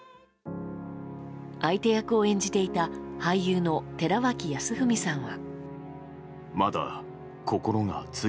相手役を演じていた俳優の寺脇康文さんは。